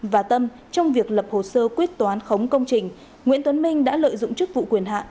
và tâm trong việc lập hồ sơ quyết toán khống công trình nguyễn tuấn minh đã lợi dụng chức vụ quyền hạn